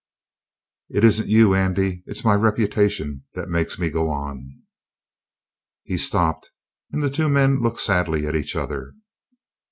It isn't you, Andy; it's my reputation that makes me go on." He stopped, and the two men looked sadly at each other.